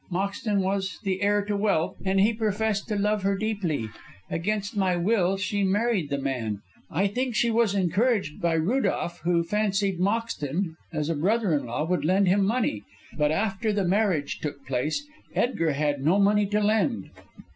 Moxton was the heir to wealth, and he professed to love her deeply. Against my will she married the man. I think she was encouraged by Rudolph, who fancied Moxton, as a brother in law, would lend him money. But after the marriage took place Edgar had no money to lend.